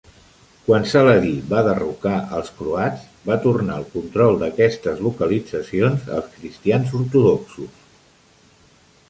Quan Saladí va derrocar els croats, va tornar el control d'aquestes localitzacions als cristians ortodoxos.